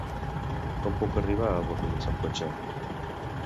Com puc arribar a Bordils amb cotxe?